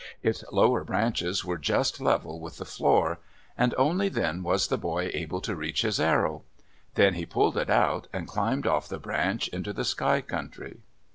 Its lower branches were just level with the floor. And only then was the boy able to reach his arrow. Then he pulled it out, and climbed off the branch into the Sky Country.